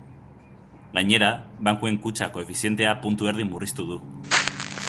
Gainera, bankuen kutxa koefizientea puntu erdi murriztu du.